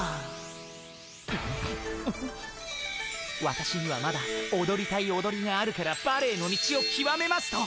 「わたしにはまだおどりたいおどりがあるからバレエの道をきわめます」と。